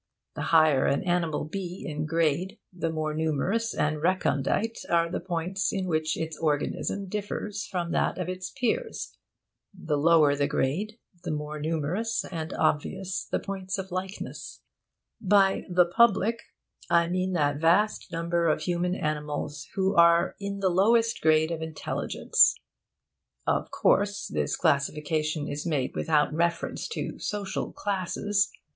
The higher an animal be in grade, the more numerous and recondite are the points in which its organism differs from that of its peers. The lower the grade, the more numerous and obvious the points of likeness. By 'the public' I mean that vast number of human animals who are in the lowest grade of intelligence. (Of course, this classification is made without reference to social 'classes.'